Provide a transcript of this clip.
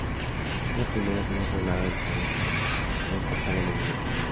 Es la primera zona poblada del planeta en pasar el año nuevo.